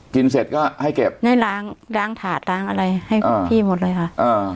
เสร็จก็ให้เก็บให้ล้างล้างถาดล้างอะไรให้พี่หมดเลยค่ะอ่า